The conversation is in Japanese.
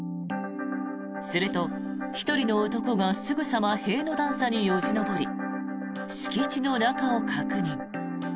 すると、１人の男がすぐさま塀の段差によじ登り敷地の中を確認。